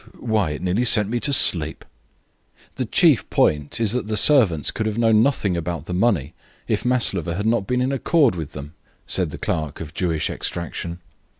Why, it nearly sent me to sleep!" "The chief point is that the servants could have known nothing about the money if Maslova had not been in accord with them," said the clerk of Jewish extraction.